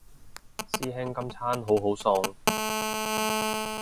師兄今餐好好餸